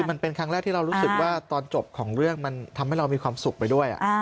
มันเป็นครั้งแรกที่เรารู้สึกว่าตอนจบของเรื่องมันทำให้เรามีความสุขไปด้วย